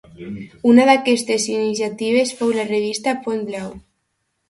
Una d’aquestes iniciatives fou la revista Pont Blau.